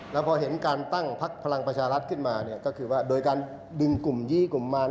แล้วพอเห็นการตั้งพักพลังประชารัฐขึ้นมาเนี่ยก็คือว่าโดยการดึงกลุ่มยี่กลุ่มมัน